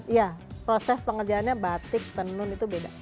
iya proses pengerjaannya batik tenun itu beda